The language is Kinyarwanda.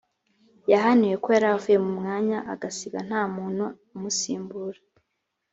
yahaniwe ko yaravuye mu mwanya agasiga nta muntu umusimbura